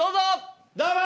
どうも！